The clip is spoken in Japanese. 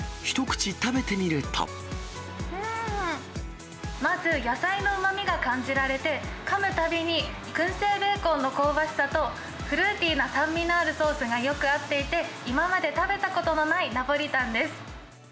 うーん、まず野菜のうまみが感じられて、かむたびにくん製ベーコンの香ばしさと、フルーティーな酸味のあるソースがよく合っていて、今まで食べたことのないナポリタンです。